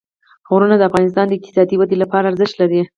غرونه د افغانستان د اقتصادي ودې لپاره ارزښت لري.